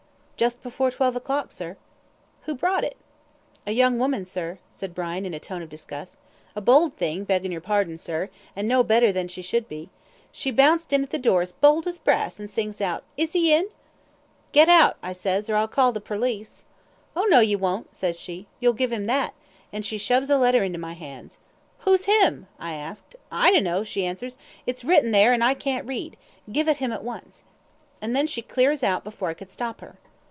"Just before twelve o'clock, sir." "Who brought it?" "A young woman, sir," said Brown, in a tone of disgust. "A bold thing, beggin' your pardon, sir; and no better than she should be. She bounced in at the door as bold as brass, and sings out, 'Is he in?' 'Get out,' I says, 'or I'll call the perlice.' 'Oh no, you won't,' says she. 'You'll give him that,' and she shoves a letter into my hands. 'Who's him?' I asks. 'I dunno,' she answers. 'It's written there, and I can't read; give it him at once.' And then she clears out before I could stop her."